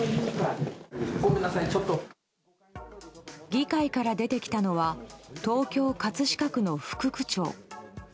議会から出てきたのは東京・葛飾区の副区長。